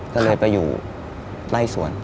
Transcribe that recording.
ก็เลยไปอยู่ไล่สวน